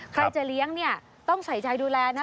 ใครจะเลี้ยงเนี่ยต้องใส่ใจดูแลนะ